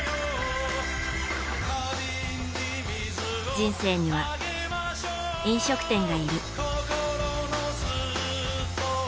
人生には、飲食店がいる。